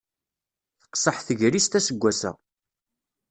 Teqṣeḥ tegrist assegas-a.